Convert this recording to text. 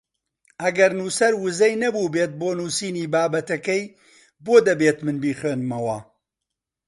ئەگەر نووسەر ووزەی نەبووبێت بۆ نووسینی بابەتەکەی بۆ دەبێت من بیخوێنمەوە؟